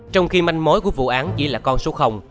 trong khi manh mối của vụ án chỉ là con số